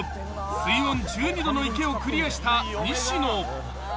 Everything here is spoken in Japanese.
［水温１２℃の池をクリアした西野］